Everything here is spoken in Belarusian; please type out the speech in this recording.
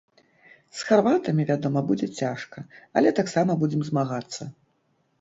З харватамі, вядома, будзе цяжка, але таксама будзем змагацца.